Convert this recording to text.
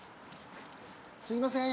すいません。